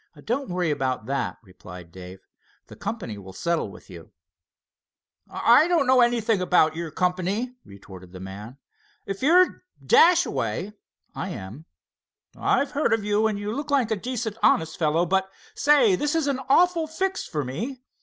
"Don't worry about that," replied Dave. "The company will settle with you." "I don't know anything about your company," retorted the man. "If you're Dashaway——" "I am." "I've heard of you, and you look like a decent, honest fellow. But say, this is an awful fix for me.